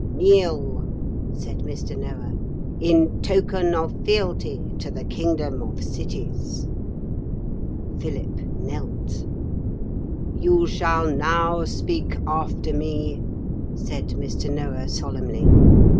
'Kneel,' said Mr. Noah, 'in token of fealty to the Kingdom of Cities.' Philip knelt. 'You shall now speak after me,' said Mr. Noah solemnly.